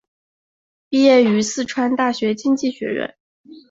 毕业于四川大学经济学院。